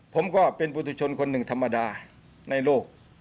ผมก็เป็นปุติชนคนหนึ่งธรรมดาในโลก